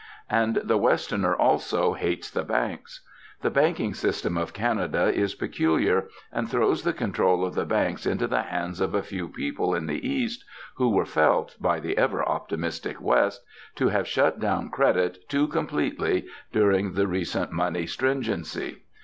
And the Westerner also hates the Banks. The banking system of Canada is peculiar, and throws the control of the banks into the hands of a few people in the East, who were felt, by the ever optimistic West, to have shut down credit too completely during the recent money stringency.